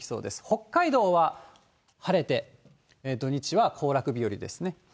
北海道は晴れて、土日は行楽日和ですね。